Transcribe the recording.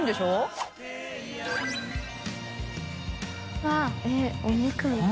うわぁえっお肉みたい。